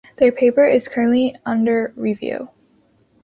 Their paper is currently under review.